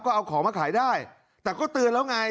ก็เอาของมาขายได้แต่ก็เตือนแล้วไง